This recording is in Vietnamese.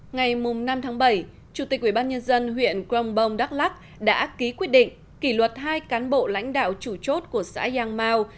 ngày năm bảy chủ tịch ubnd huyện grombong đắk lắc đã ký quyết định kỷ luật hai cán bộ lãnh đạo chủ chốt của xã yang mao